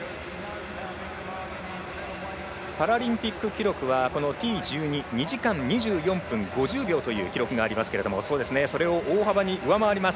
パラリンピック記録はＴ１２２時間２４分５０秒というのがありますがそれを大幅に上回ります。